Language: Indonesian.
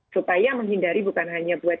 supaya menghindari bukan hanya buat